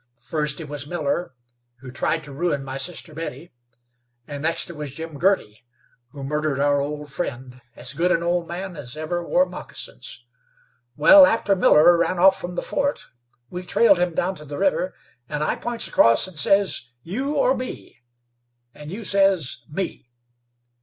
First it was Miller, who tried to ruin my sister Betty, and next it was Jim Girty, who murdered our old friend, as good an old man as ever wore moccasins. Wal, after Miller ran off from the fort, we trailed him down to the river, and I points across and says, 'You or me?' and you says, 'Me.'